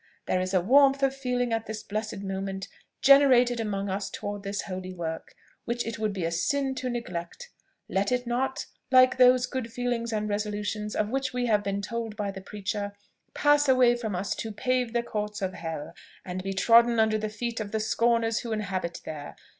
There is a warmth of feeling at this blessed moment generated among us towards this holy work, which it would be sin to neglect. Let it not, like those good feelings and resolutions of which we have been told by the preacher, pass away from us to pave the courts of hell, and be trodden under the feet of the scorners who inhabit there.